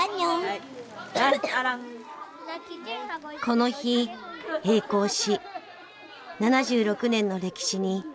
この日閉校し７６年の歴史に幕を閉じました。